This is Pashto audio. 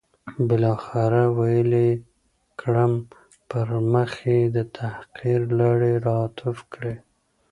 بالاخره ویلې یې کړم، پر مخ یې د تحقیر لاړې را توف کړې.